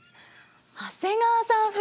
長谷川さん風。